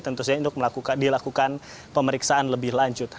tentu saja untuk dilakukan pemeriksaan lebih lanjut